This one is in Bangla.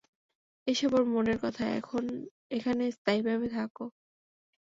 এসব ওর মনের কথা, এখানে স্থায়ীভাবে থাকো।